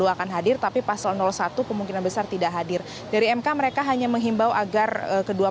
akan hadir tapi pasal satu kemungkinan besar tidak hadir dari mk mereka hanya menghimbau agar kedua